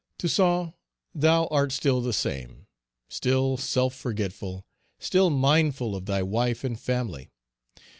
Toussaint, thou art still the same, still self forgetful, still mindful of thy wife and family.